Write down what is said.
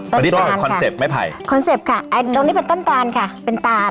ตอนนี้ต้องมีคอนเซ็ปต์ไม่ไผ่คอนเซ็ปต์ค่ะตรงนี้เป็นต้นตานค่ะเป็นตาน